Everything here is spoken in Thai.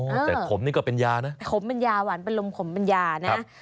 แต่ขมนี่ก็เป็นยานะขมเป็นยาหวานเป็นลมขมเป็นยานะ